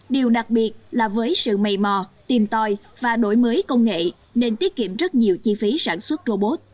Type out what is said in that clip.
điều đặc biệt là với sự mây mò tìm tòi và đổi mới công nghệ nên tiết kiệm rất nhiều chi phí sản xuất robot